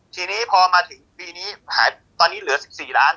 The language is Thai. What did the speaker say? ทีนี้พอมาถึงปีนี้หายตอนนี้เหลือ๑๔ล้าน